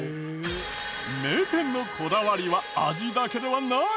名店のこだわりは味だけではない！